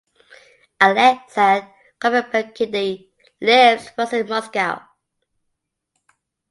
Aleksandr Kolpakidi lives and works in Moscow.